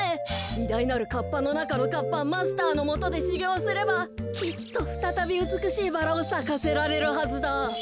いだいなるカッパのなかのカッパマスターのもとでしゅぎょうすればきっとふたたびうつくしいバラをさかせられるはずだ。